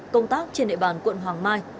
công tác trên đệ bàn quận hoàng mai